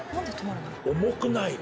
重くないの？